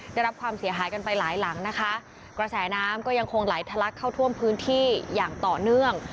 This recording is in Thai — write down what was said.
ได้รับความเสียหายกันไปหลายหลังนะคะกระแสน้ำก็ยังคงไหลทะลักเข้าท่วมพื้นที่อย่างต่อเนื่อง